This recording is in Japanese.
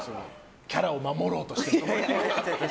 キャラを守ろうとして。